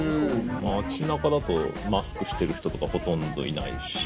街中だとマスクしてる人とかほとんどいないし。